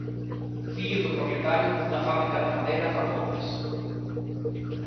Fillo do propietario dunha fabrica de madeira para mobles.